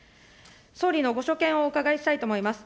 総理のご所見をお伺いしたいと思います。